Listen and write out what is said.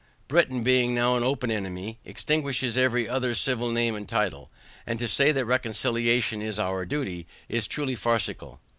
Britain, being now an open enemy, extinguishes every other name and title: And to say that reconciliation is our duty, is truly farcical.